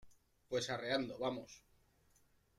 pues arreando. vamos .